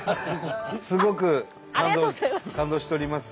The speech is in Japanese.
すごく感動しております。